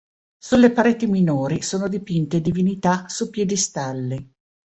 Sulle pareti minori sono dipinte divinità su piedistalli.